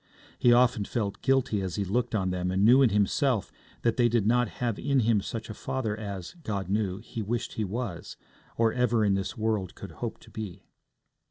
He often felt guilty as he looked on them and knew in himself that they did not have in him such a father as, God knew, he wished he was, or ever in this world could hope to be.